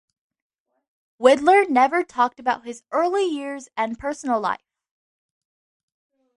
Widlar never talked about his early years and personal life.